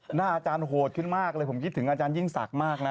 หน้าอาจารย์โหดขึ้นมากเลยผมคิดถึงอาจารยิ่งศักดิ์มากนะ